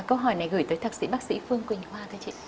câu hỏi này gửi tới thạc sĩ bác sĩ phương quỳnh hoa thưa chị